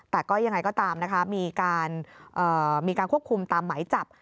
แต่ก็ยังไงก็ตามนะคะมีการควบคุมตามไหมจับ